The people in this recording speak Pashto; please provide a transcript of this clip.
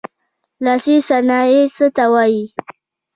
لاسي صنایع څه ته وايي.